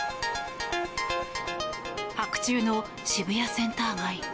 白昼の渋谷センター街。